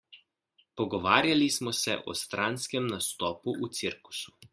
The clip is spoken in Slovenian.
Pogovarjali smo se o stranskem nastopu v cirkusu.